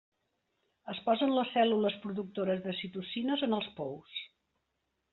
Es posen les cèl·lules productores de citocines en els pous.